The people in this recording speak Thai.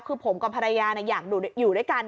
คือผมกับภรรยาอยากอยู่ด้วยกัน